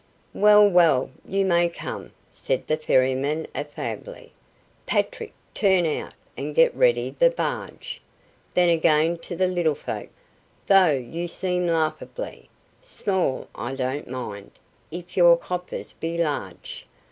"Well, well, you may come," said the ferryman affably; "Patrick, turn out, and get ready the barge." Then again to the little folk; "Tho' you seem laughably Small, I don't mind, if your coppers be large."